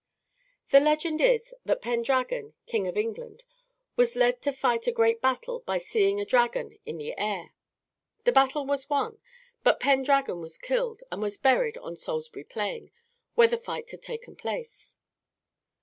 The legend is that Pendragon, king of England, was led to fight a great battle by seeing a dragon in the air. The battle was won, but Pendragon was killed and was buried on Salisbury Plain, where the fight had taken place.